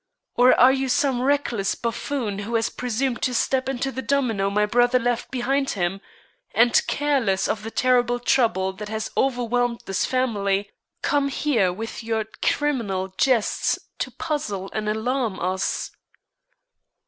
Or are you some reckless buffoon who has presumed to step into the domino my brother left behind him, and careless of the terrible trouble that has overwhelmed this family, come here with your criminal jests to puzzle and alarm us?"